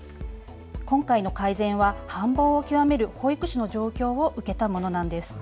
今回の改善は繁忙を極める保育士の状況を受けたものなんです。